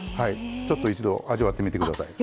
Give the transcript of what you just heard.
ちょっと一度味わってみてください。